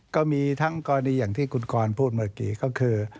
ก็มีทั้งกรณีอย่างที่คุณกรพูดเมื่อกี้ก็คือ